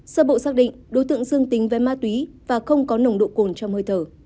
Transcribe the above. sơ bộ xác định đối tượng dương tính với ma túy và không có nồng độ cồn trong hơi thở